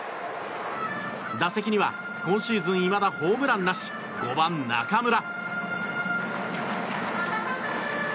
打席には今シーズンいまだホームランなし５番、中村。